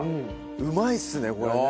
うまいっすねこれね。